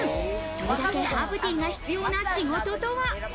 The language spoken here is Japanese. それだけハーブティーが必要な仕事とは？